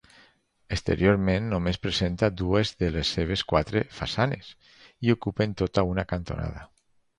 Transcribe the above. Exteriorment només presenta dues de les seves quatre façanes, i ocupen tota una cantonada.